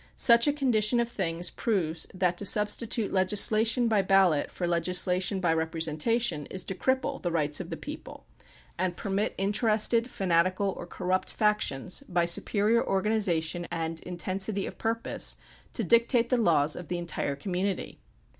Such a condition of things proves that to substitute legislation by ballot for legislation by representation is to cripple the rights of the people and permit interested, fanatical, or corrupt factions, by superior organization and in tensity of purpose, to dictate the laws of the entire community.